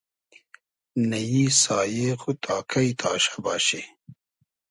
نئیی سایې خو تا کݷ تاشۂ باشی